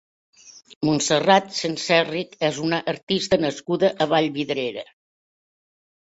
Montserrat Senserrich és una artista nascuda a Vallvidrera.